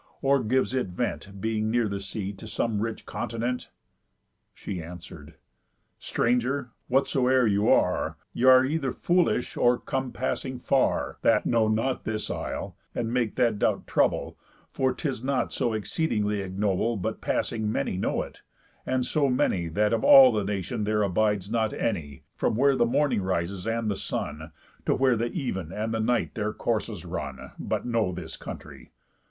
Or gives it vent, Being near the sea, to some rich continent?" She answer'd: "Stranger, whatsoe'er you are, Y'are either foolish, or come passing far, That know not this isle, and make that doubt trouble, For 'tis not so exceedingly ignoble, But passing many know it; and so many, That of all nations there abides not any, From where the morning rises and the sun, To where the even and night their courses run, But know this country.